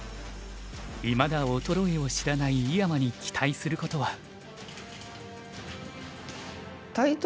いまだ衰えを知らない井山に期待することは。